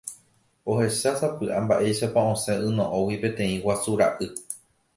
Ohechásapy'a mba'éichapa osẽ yno'õgui peteĩ guasu ra'y.